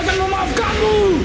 kau tidak akan perasan